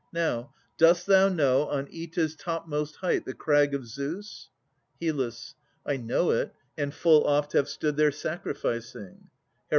Now, dost thou know on Oeta's topmost height The crag of Zeus? HYL. I know it, and full oft Have stood there sacrificing. HER.